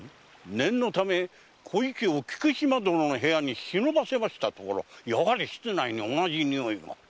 念のため小雪を菊島殿の部屋に忍ばせましたところやはり室内に同じ匂いが。